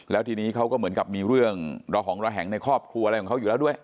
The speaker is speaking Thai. แล้วทีนี้เขาก็เหมือนกับมีเรื่องระหองระแหงในครอบครัวอะไรของเขาอยู่แล้วด้วย